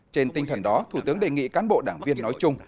trên tinh thần đó thủ tướng đề nghị cán bộ đảng viên nói chung